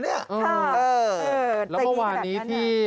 ครับเออใจมีแบบนั้นเนี่ยแล้วเมื่อวานี้ที่